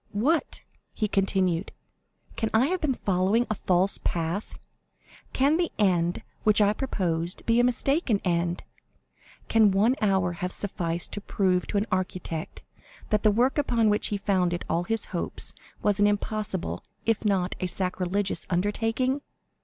What!" he continued, "can I have been following a false path?—can the end which I proposed be a mistaken end?—can one hour have sufficed to prove to an architect that the work upon which he founded all his hopes was an impossible, if not a sacrilegious, undertaking?